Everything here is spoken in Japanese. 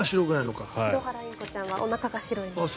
シロハラインコちゃんはおなかが白いので。